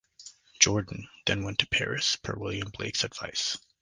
Jordan, then went to Paris, per William Blake's advice.